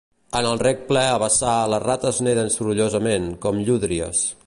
En el rec ple a vessar les rates neden sorollosament, com llúdries